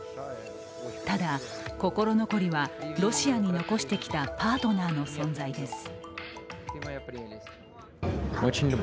ただ、心残りはロシアに残してきたパートナーの存在です。